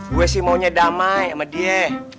gue sih maunya damai sama dia